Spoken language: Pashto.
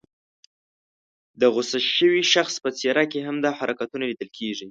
د غوسه شوي شخص په څېره کې هم دا حرکتونه لیدل کېږي.